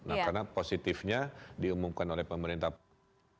iya nah karena positifnya diumumkan oleh pemerintah itu tidak ada di jawa barat